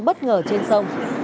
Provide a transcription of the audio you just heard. bất ngờ trên sông